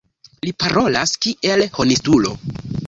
Li parolas kiel honestulo.